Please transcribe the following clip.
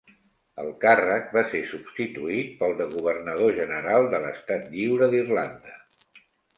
El càrrec va ser substituït pel de Governador General de l'Estat Lliure d'Irlanda.